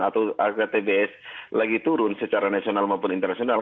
atau harga tbs lagi turun secara nasional maupun internasional